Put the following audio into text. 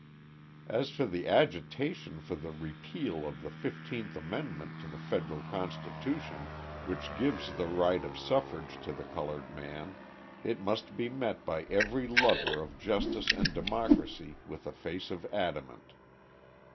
As for the agitation for the repeal of the Fifteenth Amendment to the Federal Constitution, which gives the right of suffrage to the coloured man, it must be met by every lover of justice and democracy with a face of adamant.